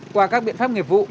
qua các biện pháp nghiệp vụ